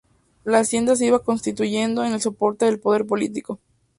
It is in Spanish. La hacienda se iba constituyendo en el soporte del poder político.